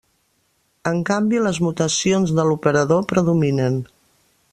En canvi les mutacions de l'operador predominen.